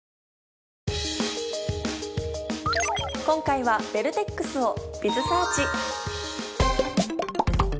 今回はベルテックスを。